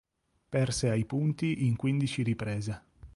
Perse ai punti in quindici riprese.